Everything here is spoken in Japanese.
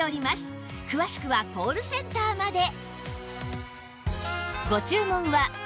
詳しくはコールセンターまで